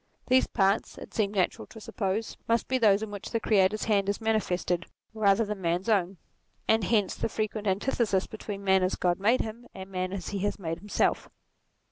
These parts it seemed natural to suppose, must be those in which the Creator's hand is manifested rather than the man's own : and hence the frequent antithesis between man as Grod made him, and man as he has made himself.